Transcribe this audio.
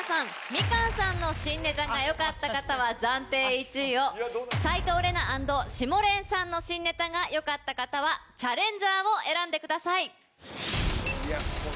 みかんさんの新ネタがよかった方は暫定１位を齊藤伶奈＆Ｓｈｉｍｏ−Ｒｅｎさんの新ネタがよかった方はチャレンジャーを選んでください。